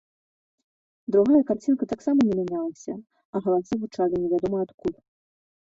Другая карцінка таксама не мянялася, а галасы гучалі невядома адкуль.